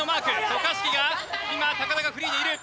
渡嘉敷が今田がフリーにいる。